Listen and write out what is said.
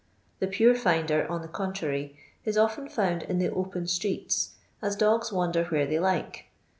The pure finder, on the contrary, it often found in the open streeU, ns dogs wander where they like.